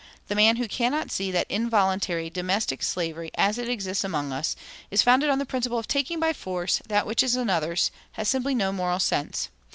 The man who cannot see that involuntary domestic slavery, as it exists among us, is founded on the principle of taking by force that which is another's has simply no moral sense....